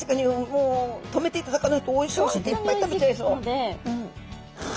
もう止めていただかないとおいしくていっぱい食べちゃいそう。